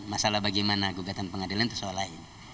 masalah bagaimana gugatan pengadilan itu soal lain